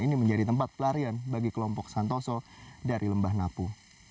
ini menjadi tempat pelarian bagi kelompok santoso dari lembah napu